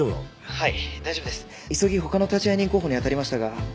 はい。